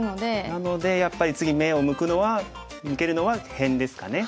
なのでやっぱり次目を向けるのは辺ですかね。